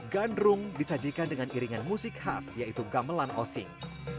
gandrung disajikan dengan iringan musik khas yaitu gamelan osing